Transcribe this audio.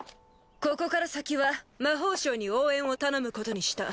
ここから先は魔法省に応援を頼むことにした。